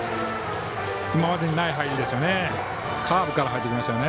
今までにない入りですよね。